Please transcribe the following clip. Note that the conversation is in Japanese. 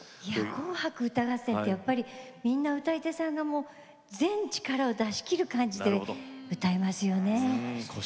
「紅白歌合戦」ってみんな、歌い手さんが全力を出し切る感じで歌いますよね。